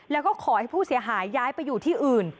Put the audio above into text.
แล้วก็ขอให้ผู้เสียหายย้ายไปอยู่ที่อื่น